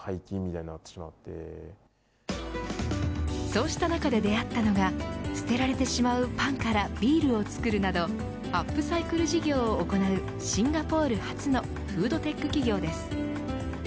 そうした中で出会ったのが捨てられてしまうパンからビールを作るなどアップサイクル事業を行うシンガポール発のフードテック企業です。